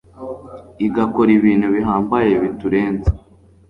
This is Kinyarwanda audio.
igakora ibintu bihambaye biturenze